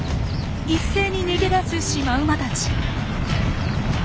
一斉に逃げ出すシマウマたち。